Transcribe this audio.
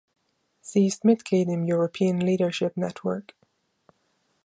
Sie ist Mitglied im European Leadership Network.